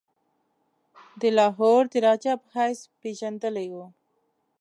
د لاهور د راجا په حیث پيژندلی وو.